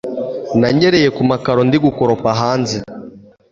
Nanyereye ku makaro ndigukoropa hanze